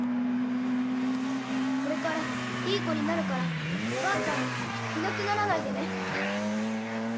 これからいい子になるからばあちゃんはいなくならないでね！